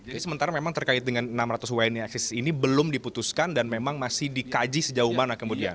jadi sementara memang terkait dengan enam ratus wni akses ini belum diputuskan dan memang masih dikaji sejauh mana kemudian